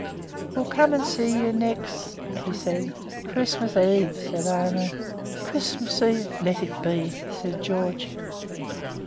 'We'll come and see you next ' he said. 'Christmas Eve!' said Aileen. 'Christmas Eve let it be,' says George.